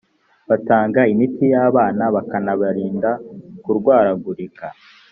batanga imitiyabana bakanabarinda kurwaragurika .